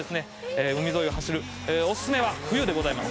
海沿いを走る」「オススメは冬でございます。